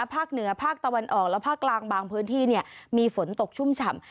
ภาคเหนือภาคตะวันออกและภาคกลางบางพื้นที่มีฝนตกชุ่มฉ่ำ